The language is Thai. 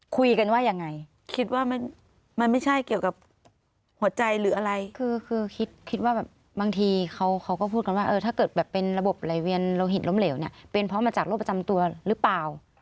คุยกันว่ายังไงคิดว่ามันไม่ใช่เกี่ยวกับหัวใจหรืออะไรคือคิดว่าแบบบางทีเขาก็พูดกันว่าเออถ้าเกิดแบบเป็นระบบไหลเวียนโลหิตล้มเหลวเนี่ยเป็นเพราะมาจากโรคประจำตัวหรือเปล่า